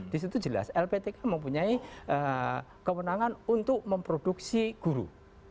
disitu jelas lptk mempunyai kewenangan untuk memproduksi guru